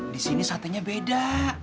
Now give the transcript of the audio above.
di sini satenya beda